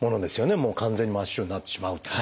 もう完全に真っ白になってしまうっていうのは。